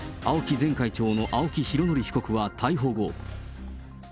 前会長の青木拡憲被告は逮捕後。